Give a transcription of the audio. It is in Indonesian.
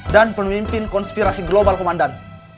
dan pemimpin konspirasi global komandan